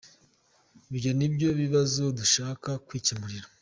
Ibyo ni byo bibazo dushaka kwikemurira.